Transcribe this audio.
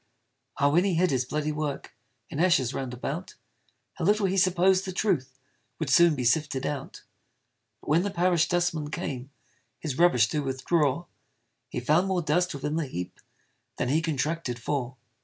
Ah! when he hid his bloody work In ashes round about, How little he supposed the truth Would soon be sifted out. But when the parish dustman came, His rubbish to withdraw, He found more dust within the heap Than he contracted for!